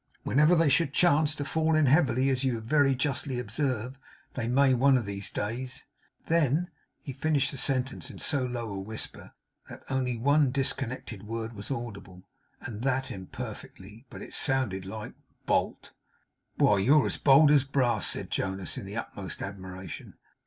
Whenever they should chance to fall in heavily, as you very justly observe they may, one of these days; then ' he finished the sentence in so low a whisper, that only one disconnected word was audible, and that imperfectly. But it sounded like 'Bolt.' 'Why, you're as bold as brass!' said Jonas, in the utmost admiration.